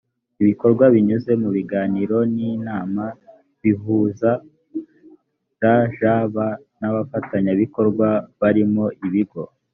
bikorwa binyuze mu biganiro n’inama bihuza rgb n’abafatanyabikorwa barimo ibigo.